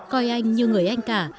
coi anh như người anh cả